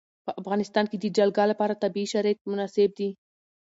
په افغانستان کې د جلګه لپاره طبیعي شرایط مناسب دي.